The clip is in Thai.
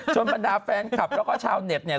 บรรดาแฟนคลับแล้วก็ชาวเน็ตเนี่ย